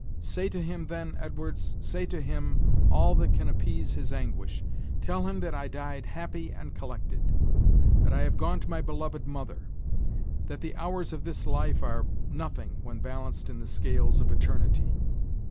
Say to him, then, Edwards, say to him, all that can appease his anguish. Tell him that I died happy and collected; that I have gone to my beloved mother; that the hours of this life are nothing when balanced in the scales of eternity.